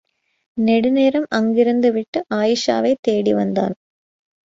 நெடுநேரம் அங்கிருந்துவிட்டு, அயீஷாவைத் தேடிவந்தான்.